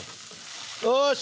よし！